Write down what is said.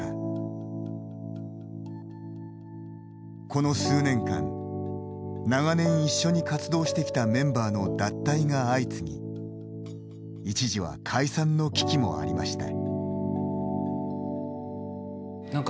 この数年間長年一緒に活動してきたメンバーの脱退が相次ぎ一時は解散の危機もありました。